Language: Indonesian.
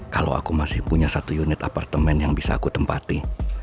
kalau aku masih punya satu unit apartemen yang bisa aku tempati